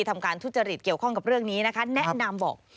ทำการทุจริตเกี่ยวข้องกับเรื่องนี้นะคะแนะนำบอก